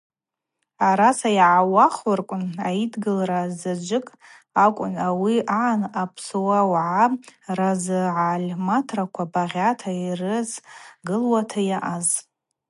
Араса йгӏауахвырквын, Аидгылара-заджвыкӏ акӏвын ауи агӏан апсуа уагӏа разыгӏальаматраква багъьата йрызгылуата йаъаз.